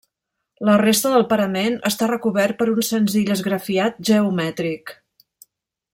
La resta del parament està recobert per un senzill esgrafiat geomètric.